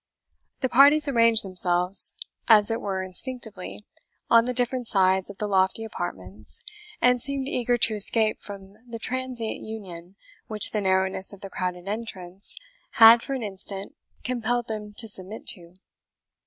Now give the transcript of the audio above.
The parties arranged themselves, as it were instinctively, on the different sides of the lofty apartments, and seemed eager to escape from the transient union which the narrowness of the crowded entrance had for an instant compelled them to submit to.